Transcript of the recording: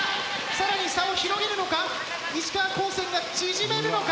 更に差を広げるのか石川高専が縮めるのか。